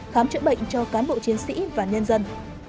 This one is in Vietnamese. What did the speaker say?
khám chữa bệnh cho cán bộ chiến sĩ và nhân dân